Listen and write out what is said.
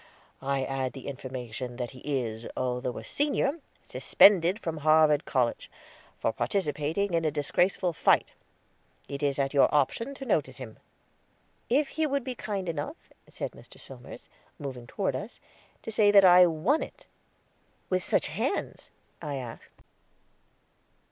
I add the information that he is, although a senior, suspended from Harvard College, for participating in a disgraceful fight. It is at your option to notice him." "If he would be kind enough," said Mr. Somers, moving toward us, "to say that I won it." "With such hands?" I asked.